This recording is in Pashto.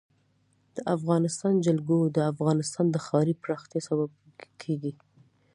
د افغانستان جلکو د افغانستان د ښاري پراختیا سبب کېږي.